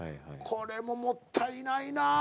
これももったいないなぁ。